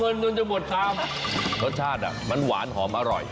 รสชาติมันหวานหอมอร่อย